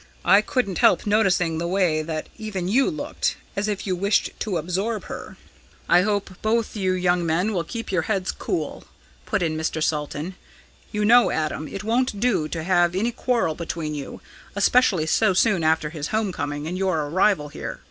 I couldn't help noticing the way that even you looked as if you wished to absorb her!" "I hope both you young men will keep your heads cool," put in Mr. Salton. "You know, Adam, it won't do to have any quarrel between you, especially so soon after his home coming and your arrival here.